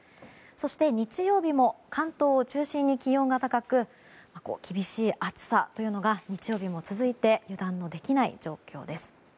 そして、日曜日も関東を中心に気温が高く厳しい暑さというのが日曜日も続いて油断のできない状況です。